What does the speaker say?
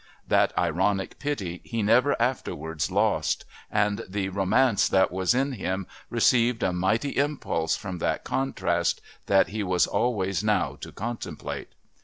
That ironic pity he never afterwards lost, and the romance that was in him received a mighty impulse from that contrast that he was always now to contemplate.